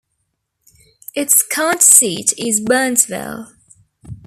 Its county seat is Burnsville.